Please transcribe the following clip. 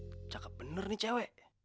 buset cakap bener nih cewek